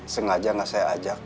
sengaja nggak saya ajak